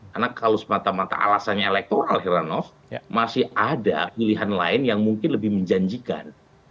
karena kalau semata mata alasannya elektoral hiranoff masih ada pilihan lain yang mungkin lebih menjanjikan